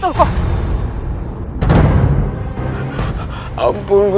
saya akan menang